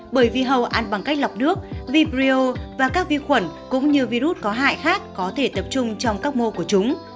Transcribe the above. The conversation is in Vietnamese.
bởi vì hầu ăn bằng cách lọc nước viprio và các vi khuẩn cũng như virus có hại khác có thể tập trung trong các mô của chúng